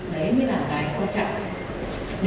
đấy mới là cái quan trọng